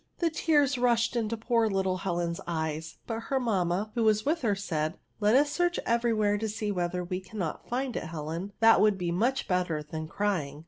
" The tears rushed into poor Helen's eyes, but her mamma, who was with her, said, " Let us search every where to see whether we can not find it, Helen ; that will be much better than crying."